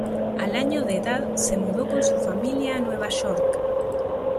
Al año de edad se mudó con su familia a Nueva York.